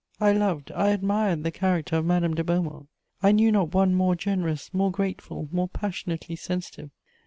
I loved, I admired the character of Madame de Beaumont: I knew not one more generous, more grateful, more passionately sensitive.